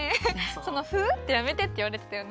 「その『フウ！』ってやめて」っていわれてたよね。